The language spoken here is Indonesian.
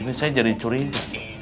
ini saya jadi curi ini